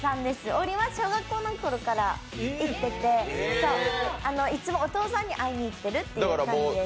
王林は小学校の頃から行っていて、いつもお父さんに会いにいっているという感じです。